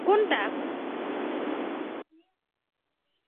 তিনি Dhaka teachers training কলেজে ভূগোলের অধ্যাপক হন।